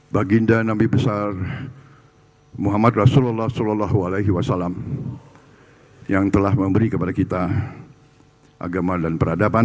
baginda nabi besar muhammad rasulullah saw yang telah memberi kepada kita agama dan peradaban